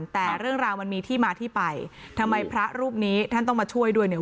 แต่เรื่องราวมันมีที่มาที่ไปทำไมพระรูปนี้ท่านต้องมาช่วยด้วยเนี่ย